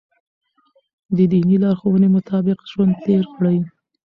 د دیني لارښوونو مطابق ژوند تېر کړئ.